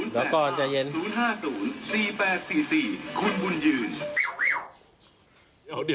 แล้วตอนใจเย็น๐๕๐๔๘๔๔คุณบุญยืน